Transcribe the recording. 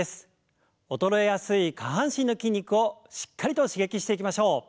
衰えやすい下半身の筋肉をしっかりと刺激していきましょう。